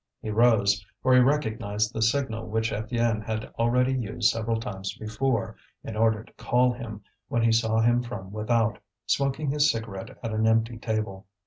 He rose, for he recognized the signal which Étienne had already used several times before, in order to call him, when he saw him from without, smoking his cigarette at an empty table.